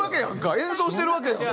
演奏してるわけやんか。